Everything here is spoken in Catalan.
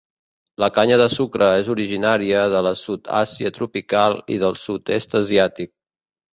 La canya de sucre és originària de la Sud Àsia tropical i del Sud-est asiàtic.